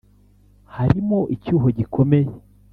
harimo icyuho gikomeye